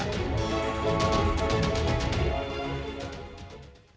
penyelenggaraan cnn indonesia